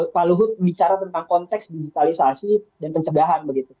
pak luhut bicara tentang konteks digitalisasi dan pencegahan begitu